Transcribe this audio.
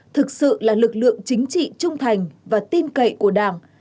thực sự là lực lượng chính trị trung thành và tin cậy của đảng